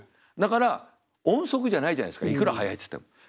だから音速じゃないじゃないですかいくら速いっつっても。